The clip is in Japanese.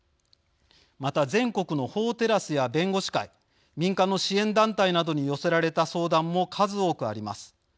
また、全国の法テラスや弁護士会、民間の支援団体などに寄せられた相談も数多くあります。